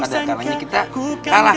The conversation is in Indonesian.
ada kalahnya kita kalah